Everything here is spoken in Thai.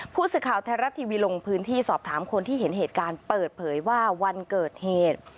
ผู้สื่อข่าวไทยรัฐทีวีลงพื้นที่สอบถามคนที่เห็นเหตุการณ์เปิดเผยว่าวันเกิดเหตุ